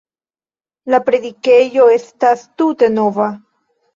La predikejo estas tute nova.